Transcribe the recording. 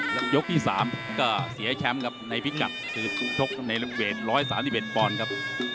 แล้วยกที่๓ก็เสียแชมป์ครับในพิกัดคือชกในเรื่องเวท๑๓๑ปอนด์ครับ